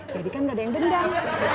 jadi kan gak ada yang dendam